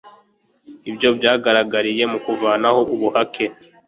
ibyo byagaragariye mu kuvanaho ubuhake